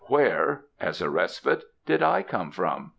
"Where" as a respite "did I come from?"